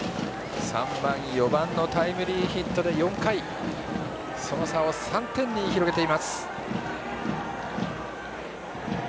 ３番、４番のタイムリーヒットで４回その差を３点に広げています。